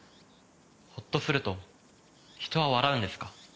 ほっとすると人は笑うんですか？